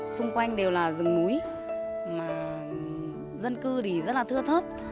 xung quanh đều là rừng núi mà dân cư thì rất là thưa thớt